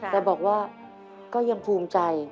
แต่บอกว่าก็ยังภูมิใจ